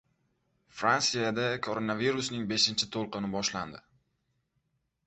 Fransiyada koronavirusning beshinchi to‘lqini boshlandi